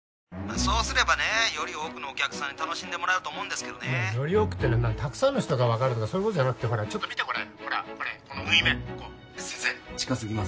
そうすればより多くのお客さんに楽しんでもらえるとたくさんの人が分かるとかそういうことじゃなくてちょっと見てこれほらこれこの縫い目ここ先生近すぎます